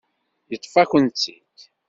Yeṭṭef-akent-tt-id.